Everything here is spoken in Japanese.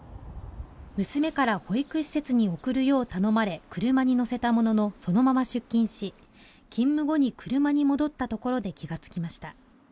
娘から保育施設に送るよう頼まれ、車に乗せたもののそのまま出勤し、勤務後に車に戻ったところで気が付きました。